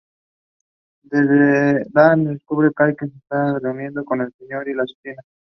Dan descubre que Katie se ha estado reuniendo con un "Señor" y lo asesina.